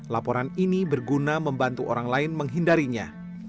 laporan ini berguna membantu orang lain menghindarinya